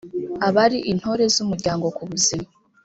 abari intore z umuryango ku buzima